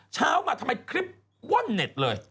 เช้ามาทำไมคลิปว่อนเน็ตเลย